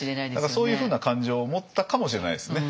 そういうふうな感情を持ったかもしれないですね。